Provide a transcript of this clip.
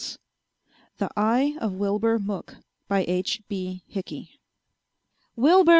] The EYE of WILBUR MOOK by H. B. HICKEY "Wilbur!"